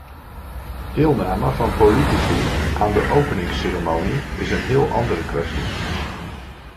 Deelname van politici aan de openingsceremonie is een heel andere kwestie.